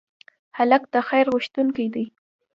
هلک د خیر غوښتونکی دی.